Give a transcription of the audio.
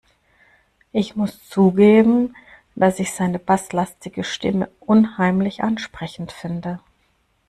Ich muss zugeben, dass ich seine basslastige Stimme unheimlich ansprechend finde.